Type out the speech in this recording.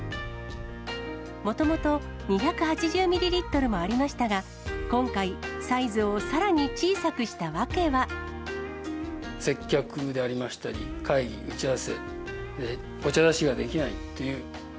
もともと２８０ミリリットルもありましたが、今回、サイズをさら接客でありましたり、会議、打ち合わせ、お茶出しができないという。